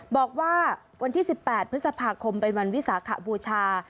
บอกว่าวันที่๑๘พฤษภาคมเป็นวันวิสาขบูชา